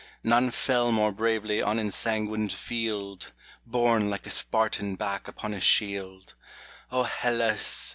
None fell more bravely on ensanguined field, Borne like a Spartan back upon his shield 1 O Hellas